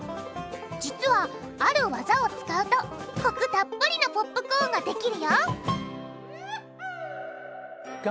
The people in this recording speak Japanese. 実はあるワザを使うとコクたっぷりのポップコーンができるよ！